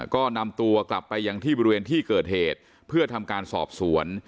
ก็นำตัวกลับไปยังที่บริเวณที่เกิดเหตุเพื่อทำการสอบสวน